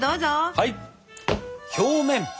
はい！